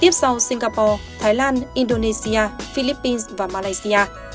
tiếp sau singapore thái lan indonesia philippines và malaysia